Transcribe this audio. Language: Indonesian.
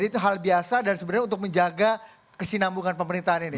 jadi itu hal biasa dan sebenarnya untuk menjaga kesinambungan pemerintahan ini